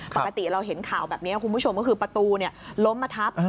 ปกติเราเห็นข่าวแบบนี้คุณผู้ชมก็คือประตูล้มมาทับ